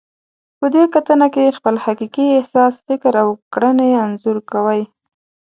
په دې کتنه کې خپل حقیقي احساس، فکر او کړنې انځور کوئ.